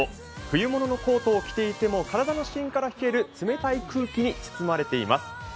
冬物のコートを着ていても、体の芯から冷える冷たい空気に包まれています。